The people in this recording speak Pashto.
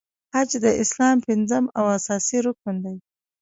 حج د اسلام پنځم او اساسې رکن دی .